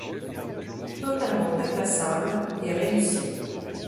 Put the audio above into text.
Totalement inclassable et réussi.